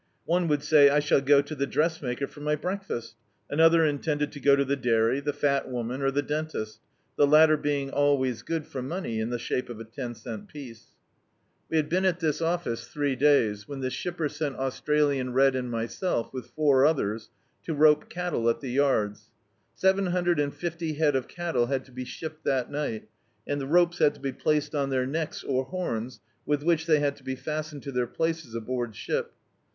One would say— "I shall go to the dress maker for my breakfast" ; another intended to go to the dairy, the fat woman, or the dentist; the latter being always good for money in the shape of a ten cent piece. D,i.,.db, Google The Cattleman's Office We had been at this office three days, when the shipper sent Australian Red and myself, with four others, to rope cattle at the yards. Seven 4iundred and fifty head of cattle had to be shipped that nig^t, and the ropes had to be placed on their necks or horns, with which they had to be fastened to their places aboard ship.